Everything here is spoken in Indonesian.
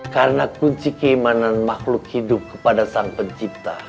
karena kunci keimanan makhluk hidup kepada sang pencipta